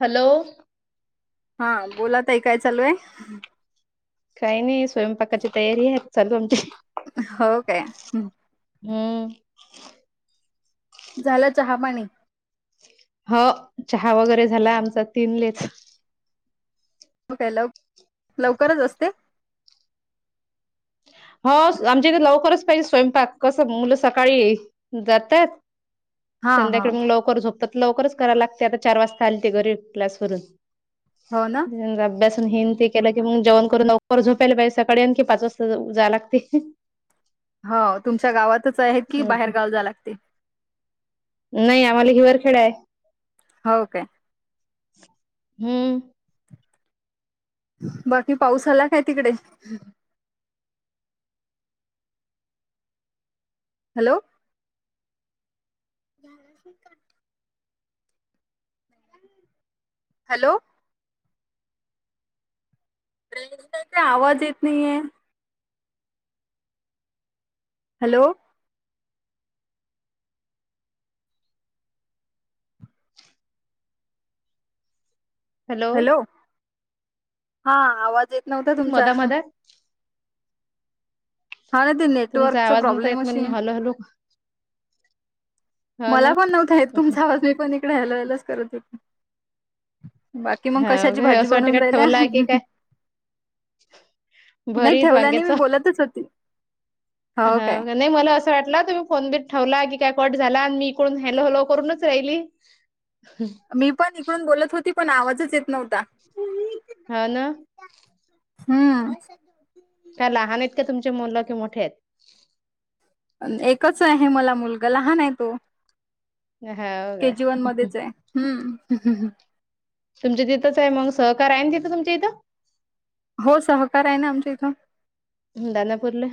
Hello. हा बोला ताई काय चालू हाय? काही नाही स्वयंपाकाची तयारी आहे चालू आमची हो काय हम्म. झाला चहा पाणी ह चहा वगैरे झाला आमचा तीन लेच म काय लव लवकरच असते. हो आमच्या इथ लवकरच पाहिजे स्वयंपाक कसे मुले सकाळी जातात हा हा संध्याकाळी मग लवकर झोपतात, लवकरच करायला लागते, आता चार वाजता आलते घरी, क्लास हो ना वरून. अभ्यासन हिती केलं की मग जेवन लवकर झोपायला पाहिज, सकाळी आण की पाच वाजता जा लागते. हो तुमच्या गावातच आहे की, बाहेर गाव जा लागते. नाही आम्हाला हिवरवरखेडाय. हो काय? हम्म. बाकी पाऊस आला काय तिकडे? हॅलो. [unintelligible] हॅलो. रेंज नाही आवाज येत नाही ए हॅलो. हॅलो. हा आवाज येत नव्हता तुमचा? मधा मधात हा ना ते तुमचा नेटवर्कचा आवाज नव्हता प्रॉब्लेम येत म्हणून असे मी हॅलो हॅलो हा मला ना. पण नव्हता येत तुमचा आवाज, मी पण इकडे हॅलो हॅलोच करत होते. बाकी मग हा कशाची भाजी असं वाटतं बनवून का राहिल्या? ठेवला की काय नाही भरीत ठेवला नाही मी बोलतच होते. हा नाही मला असं वाटला तुम्ही फोन बिन ठेवला की काय? कट झाला आणि मी इकडून हॅलो हॅलो करूनच राहिली. मी पण इकडून बोलत होती पण आवाजच येत नव्हता. हा ना. हम्म. का लहान आहेत का तुमचे मुलं कि मोठे आहेत? एकच आहे मला मुलगा लहान आहे तो हो के काय. जी वन मध्येच हाय हम्म तुमच्या तिथंच आहे, मग सहकार आहे ना तिथं तुमच्या इथं. हो सहकार आहे ना आमच्या इथं. दानापूरले.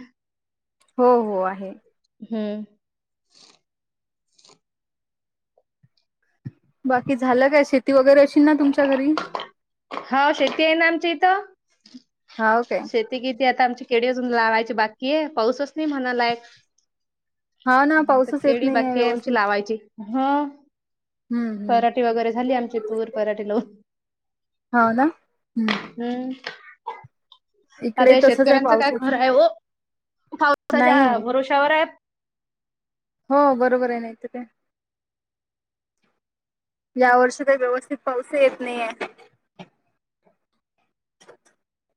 हो हो आहे हम्म! बाकी झालं काय शेती वगैरे असील ना तुमच्या घरी? होव शेती आहे ना आमच्या इथं! हा काय शेती किती आता आमची? केळी अजून लावायची बाकी ए पाऊसच नाही म्हणालाय. हा ना तर पाऊसच येत केळी नाही बाकी आहे, आमची व्यवस्थित लावायची ह. हम्म हम्म पराठीे वगैरे झाली आमचे तूर पराठीे लावून. होव ना हम्म. हम्म. आता इकडे या तसच आहे शेतकऱ्यांचं काय पावसाच खर आहे? ओ नाही पावसाच्या भरवश्यावर आहेत. हो बरोबर आहे नाही त काय. या वर्षी ते व्यवस्थित पाऊस येत नाहीये. [inaudible]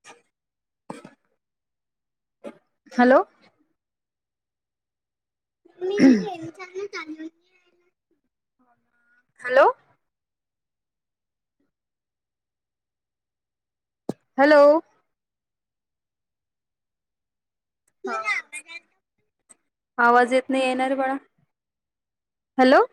हॅलो. [inaudible] हॅलो. हॅलो. हो. आवाज येत नाही रे बाळा हॅलो.